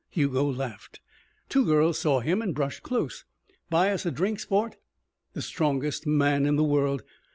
Hugo laughed. Two girls saw him and brushed close. "Buy us a drink, sport." The strongest man in the world.